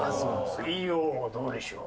『水曜どうでしょう』。